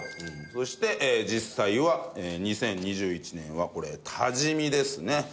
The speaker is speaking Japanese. そして実際は２０２１年はこれ多治見ですね。